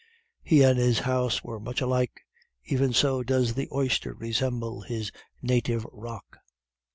He and his house were much alike; even so does the oyster resemble his native rock.